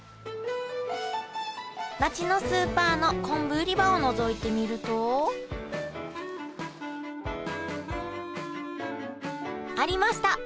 町のスーパーの昆布売り場をのぞいてみるとありました！